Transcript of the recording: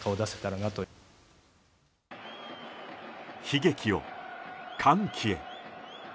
悲劇を歓喜へ。